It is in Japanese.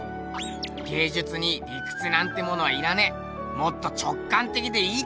芸術に理屈なんてものはいらねえもっと直感的でいいってことを。